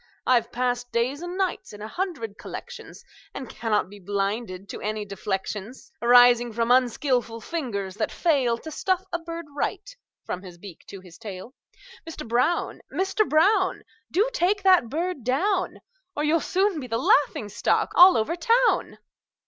I've passed days and nights in a hundred collections, And cannot be blinded to any deflections Arising from unskilful fingers that fail To stuff a bird right, from his beak to his tail. Mister Brown! Mister Brown! Do take that bird down, Or you'll soon be the laughing stock all over town!"